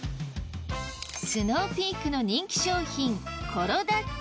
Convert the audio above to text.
スノーピークの人気商品